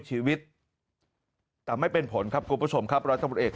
ชีวิตแต่ไม่เป็นผลครับกูผู้ผู้ชมครับรัฐบริเวณเอก